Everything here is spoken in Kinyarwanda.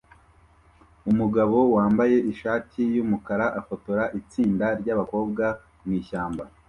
Umugabo wambaye ishati yumukara afotora itsinda ryabakobwa mwishyamba